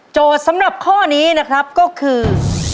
สำหรับข้อนี้นะครับก็คือ